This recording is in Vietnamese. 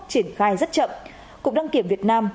triển khai rất chậm cục đăng kiểm việt nam